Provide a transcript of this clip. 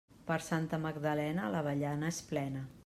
Per Santa Magdalena, l'avellana és plena.